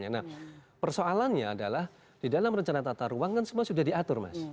nah persoalannya adalah di dalam rencana tata ruang kan semua sudah diatur mas